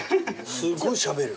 すごいしゃべる。